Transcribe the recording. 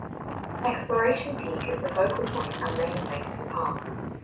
Exploration Peak is the focal point and namesake of the park.